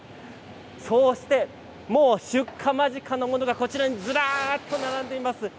出荷間近のものがこちらにずらっと並んでいます。